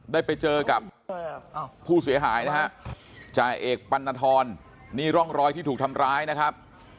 ได้ไปเจอกับผู้เสียหายนะฮะจ่าเอกปัณฑรนี่ร่องรอยที่ถูกทำร้ายนะครับ